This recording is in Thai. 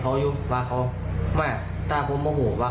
ตอนนี้ผมว่าว่ามันจะลุ่มติดผม